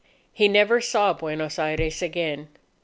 He never saw Buenos Aires again.